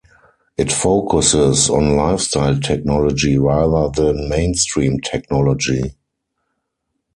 It focuses on lifestyle technology rather than mainstream technology.